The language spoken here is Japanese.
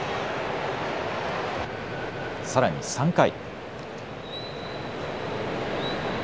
さらに３回。